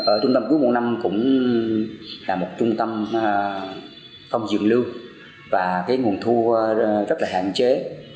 ở trung tâm cấp cứu một trăm một mươi năm cũng là một trung tâm không dựng lưu và cái nguồn thu rất là hạn chế